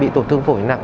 bị tổn thương phổi nặng